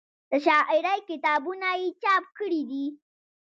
د شاعرۍ کتابونه یې چاپ کړي دي